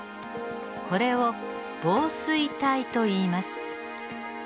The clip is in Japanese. これを紡錘体といいます。